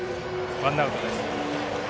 ワンアウトです。